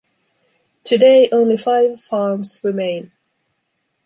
Today only five farms remain.